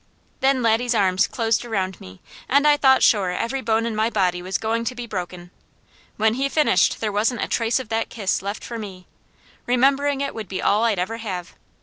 Then Laddie's arms closed around me and I thought sure every bone in my body was going to be broken; when he finished there wasn't a trace of that kiss left for me. Remembering it would be all I'd ever have.